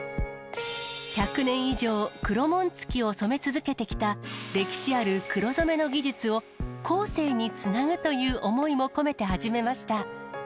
１００年以上、黒紋付きを染め続けてきた歴史ある黒染めの技術を、後世につなぐという思いも込めて始めました。